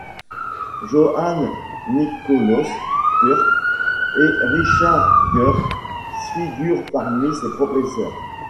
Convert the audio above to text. Johann Nikolaus Türk et Richard Guhr figurent parmi ses professeurs.